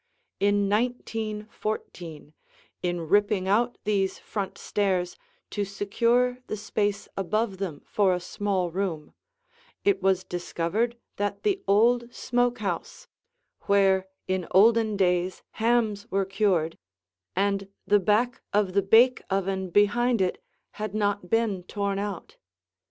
In 1914, in ripping out these front stairs to secure the space above them for a small room, it was discovered that the old smoke house, where in olden days hams were cured, and the back of the bake oven behind it had not been torn out.